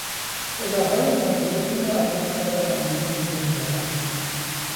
صداهای موزونی را از آن ساز قدیمی بیرون می آورد.